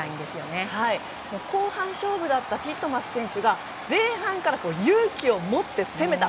後半勝負だったティットマス選手が前半から勇気を持って攻めた。